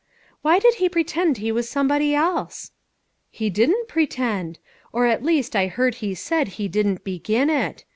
" Why did he pretend he was somebody else ?"" He didn't pretend ; or at least I heard he said he didn't begin it.